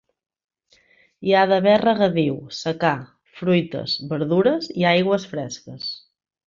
Hi ha d'haver regadiu, secà, fruites, verdures i aigües fresques.